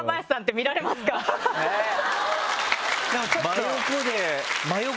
真横で。